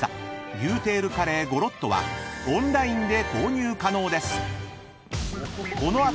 ［牛テールカレーＧｏｒｏｔｔｏはオンラインで購入可能です］